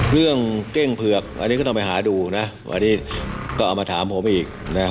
เก้งเผือกอันนี้ก็ต้องไปหาดูนะวันนี้ก็เอามาถามผมอีกนะ